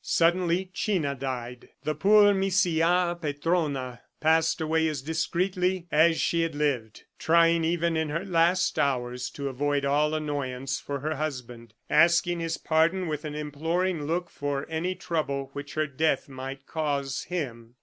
Suddenly China died. The poor Misia Petrona passed away as discreetly as she had lived, trying even in her last hours to avoid all annoyance for her husband, asking his pardon with an imploring look for any trouble which her death might cause him.